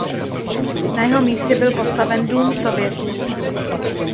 Na jeho místě byl postaven Dům Sovětů.